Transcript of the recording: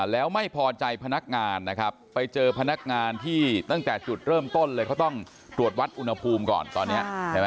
แล้วไม่พอใจพนักงานนะครับไปเจอพนักงานที่ตั้งแต่จุดเริ่มต้นเลยเขาต้องตรวจวัดอุณหภูมิก่อนตอนนี้ใช่ไหม